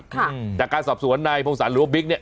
จากการสอบสวนนายพงศาลหรือว่าบิ๊กเนี่ย